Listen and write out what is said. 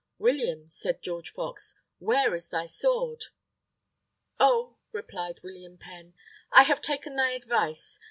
"William," said George Fox, "where is thy sword?" "Oh!" replied William Penn, "I have taken thy advice.